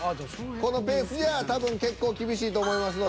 このペースじゃあ多分結構厳しいと思いますので。